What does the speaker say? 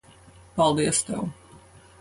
Paldies tev.